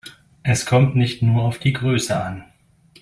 Es kommt nicht nur auf die Größe an.